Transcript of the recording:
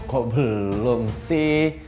kok belum sih